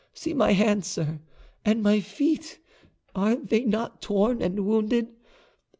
See my hands, sir, and my feet, are they not torn and wounded?